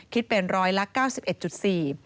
คิดเป็น๑๙๑๔ใบ